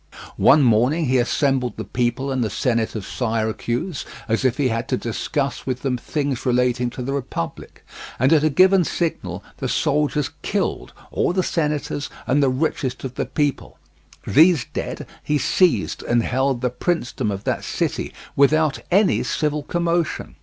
One morning he assembled the people and the senate of Syracuse, as if he had to discuss with them things relating to the Republic, and at a given signal the soldiers killed all the senators and the richest of the people; these dead, he seized and held the princedom of that city without any civil commotion.